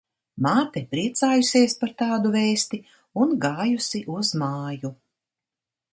Māte priecājusies par tādu vēsti un gājusi uz māju.